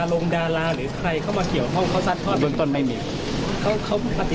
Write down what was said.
ท่านได้รับข้อมูลไหมครับว่ามีดารองดาราหรือใครเข้ามาเขียวห้องเขาสร้างข้อมี